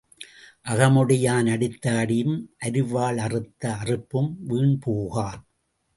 அகமுடையான் அடித்த அடியும் அரிவாள் அறுத்த அறுப்பும் வீண் போகா.